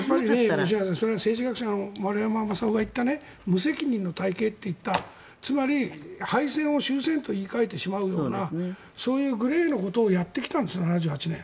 吉永さん政治学者の丸山眞男が言った無責任の体系といったつまり敗戦を終戦と言い換えてしまうならそういうグレーのことをやってきたんです、７８年。